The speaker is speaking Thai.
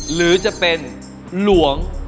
หรือจะเป็นหลวง